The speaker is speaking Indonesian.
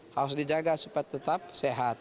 harus dijaga supaya tetap sehat